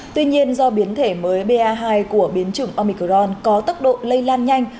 tuy nhiên do biến thể mới ba hai của biến chủng omicron có tốc độ lây lan nhanh